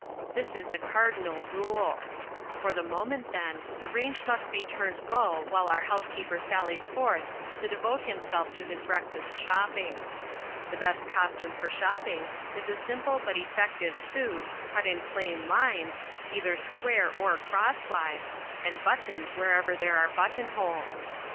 This is a cardinal rule. For the moment, then, the range must be turned low while our housekeeper sallies forth to devote himself to his breakfast shopping. The best costume for shopping is a simple but effective suit, cut in plain lines, either square or crosswise, and buttoned wherever there are button holes.